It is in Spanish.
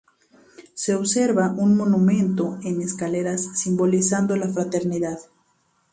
Se observa un monumento en escaleras simbolizando la fraternidad.